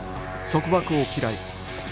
束縛を嫌い